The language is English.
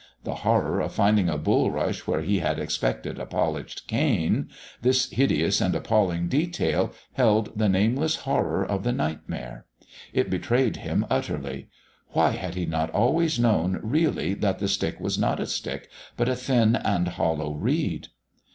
The horror of finding a bulrush where he had expected a polished cane this hideous and appalling detail held the nameless horror of the nightmare. It betrayed him utterly. Why had he not always known really that the stick was not a stick, but a thin and hollow reed...?